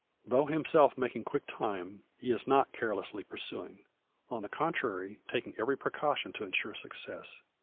Though himself making quick time, he is not carelessly pursuing; on the contrary taking every precaution to ensure success.